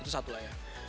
itu satu lah ya